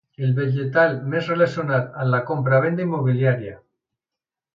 El vegetal més relacionat amb la compra-venda immobiliària.